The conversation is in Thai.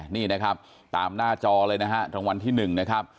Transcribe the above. นี่นะครับตามหน้าจอเลยนะฮะรางวัลที่๑นะครับ